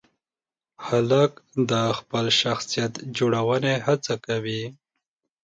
هلک د خپل شخصیت جوړونې هڅه کوي.